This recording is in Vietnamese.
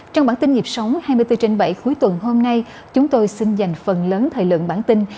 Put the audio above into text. trong bản tin nhịp sống hai mươi bốn trên bảy cuối tuần hôm nay chúng tôi xin dành phần lớn thời lượng bản tin